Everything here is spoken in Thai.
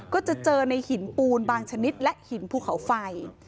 ก็จะเจอในหินปูนบางชนิดและหินภูเขาไฟ